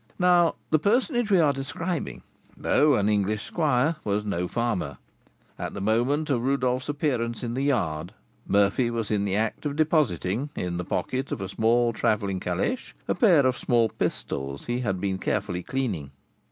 Now, the personage we are describing, though an English squire, was no farmer. At the moment of Rodolph's appearance in the yard, Murphy was in the act of depositing, in the pocket of a small travelling caléche, a pair of small pistols he had just been carefully cleaning.